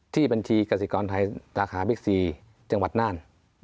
ที่บัญชีกสิกรไทยสาขาบิ๊กซีจังหวัดน่าน